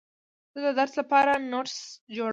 زه د درس لپاره نوټس جوړوم.